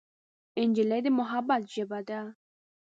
نجلۍ د محبت ژبه ده.